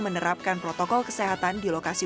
menerapkan protokol kesehatan di lokasi